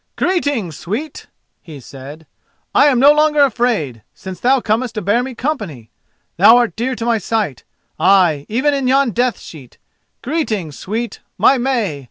"Greeting, sweet!" he said. "I am no longer afraid, since thou comest to bear me company. Thou art dear to my sight—ay even in yon death sheet. Greeting, sweet, my May!